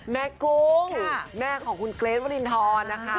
กุ้งแม่ของคุณเกรทวรินทรนะคะ